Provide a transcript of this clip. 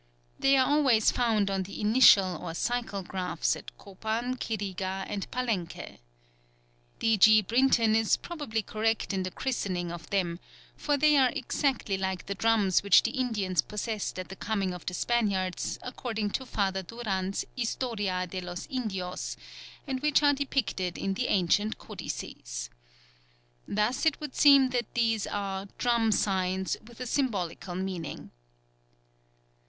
They are always found on the "initial" or cycle glyphs at Copan, Quirigua, and Palenque. D. G. Brinton is probably correct in the christening of them; for they are exactly like the drums which the Indians possessed at the coming of the Spaniards, according to Father Duran's Historia de los Indios, and which are depicted in the ancient codices. Thus it would seem that these are "Drum Signs" with a symbolical meaning.